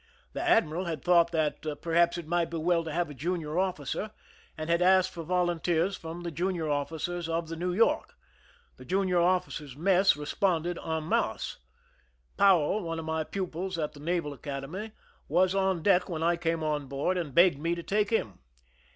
The admiral had thought that perhaps it might be well to have a junior officer, and had asked for volunteers from the junior officers of the New York. The junior officers' mess responded en masse. Powell, one of my pupils at the Naval Academy, was on deck when I came on board, and begged me to take him.